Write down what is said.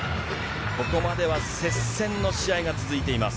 ここまでは接戦の試合が続いています。